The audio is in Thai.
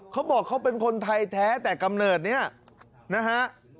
เขาบอกเขาเป็นคนไทยแท้แต่กำเนิดเนี่ยนะฮะ